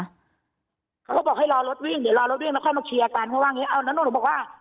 เขาก็บอกให้รอรถวิ่งเดี๋ยวรอรถวิ่งแล้วค่อยมาเคลียร์กันเขาว่าอย่างนี้เอาแล้วหนูบอกว่า